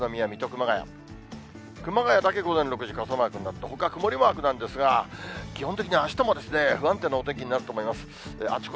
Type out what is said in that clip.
熊谷だけ午前６時、傘マークになって、ほか、曇りマークなんですが、基本的にあしたも不安定なお天気になると思います。